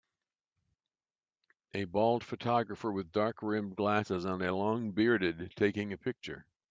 A bald photographer with dark rimmed glasses and a long bearded taking a picture.